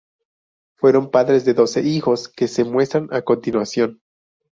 Fueron padres de doce hijos que se muestran a continuación.